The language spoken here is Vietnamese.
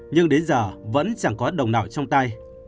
nhưng đến giờ vẫn chẳng có đồng nào trong tay